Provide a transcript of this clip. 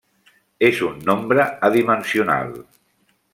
És un nombre adimensional.